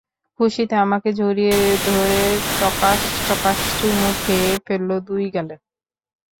খুশিতে আমাকে জড়িয়ে ধরে চকাস চকাস চুমু খেয়ে ফেলল দুই গালে।